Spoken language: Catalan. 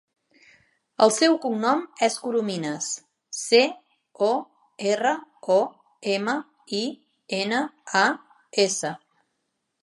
El seu cognom és Corominas: ce, o, erra, o, ema, i, ena, a, essa.